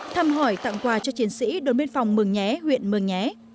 thăm hỏi tặng quà cho chiến sĩ đồn biên phòng mường nhé huyện mường nhé